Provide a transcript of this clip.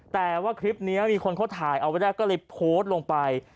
แต่ว่าคลิปนี้มีคนเขาถ่ายเอาไว้ได้ก็เลยโพสต์ลงไป